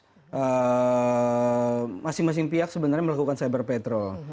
maksudnya masing masing pihak sebenarnya melakukan cyber patrol